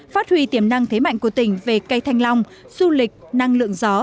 phát huy tiềm năng thế mạnh của tỉnh về cây thanh long du lịch năng lượng gió